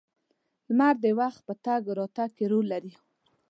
• لمر د وخت په تګ راتګ کې رول لري.